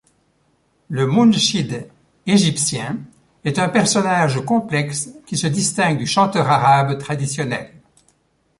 Le munshid égyptien est un personnage complexe qui se distingue du chanteur arabe traditionnel.